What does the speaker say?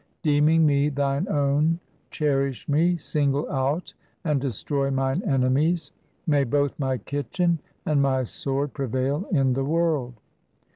Deeming me Thine own, cherish me, Single out and destroy mine enemies. May both my kitchen and my sword prevail in the world